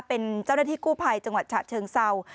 เป็นเจ้าหน้าที่กู้ภัยจังหวัดฉะเชิงเศร้า